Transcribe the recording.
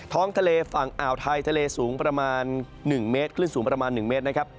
ท้องทะเลฝั่งอาวไทยทะเลสูงประมาณ๑เมตร